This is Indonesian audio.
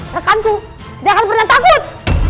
rekanku tidak akan pernah takut